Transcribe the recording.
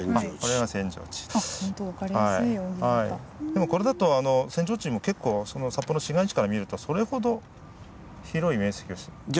でもこれだと扇状地も結構札幌の市街地から見るとそれほど広い面積。じゃないですね。